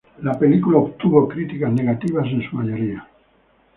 La película obtuvo críticas negativas en su mayoría.